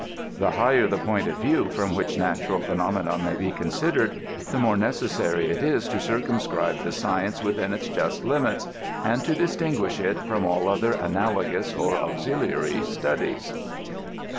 The higher the point of view &om which natural phenome na may be considered, the more necessary it is to circumscribe the science within its ju^t limits, and to distinguish it firom all other analogous or auxiliary studies.